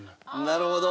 なるほど。